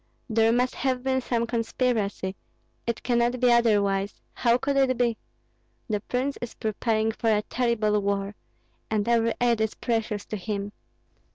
There must have been some conspiracy; it cannot be otherwise, how could it be? The prince is preparing for a terrible war, and every aid is precious to him.